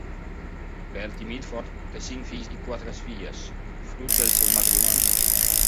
Bertie Mitford té cinc fills i quatre filles, fruit del seu matrimoni.